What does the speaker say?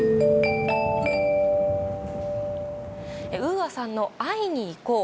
ＵＡさんの「会いにいこう」。